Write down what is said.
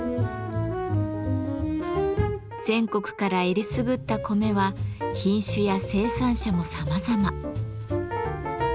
全国から選りすぐった米は品種や生産者もさまざま。